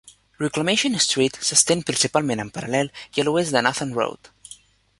Reclamation Street s'estén principalment en paral·lel i a l'oest de Nathan Road.